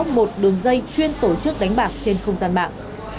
một đường dây chuyên tổ chức đánh bạc trên không gian mạng